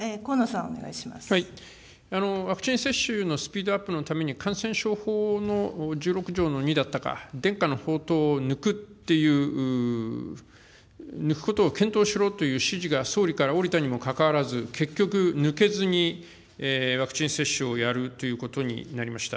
ワクチン接種のスピードアップのために、感染症法の１６条の２だったか、伝家の宝刀を抜くっていう、抜くことを検討しろという指示が総理から下りたにもかかわらず、結局、抜けずにワクチン接種をやるということになりました。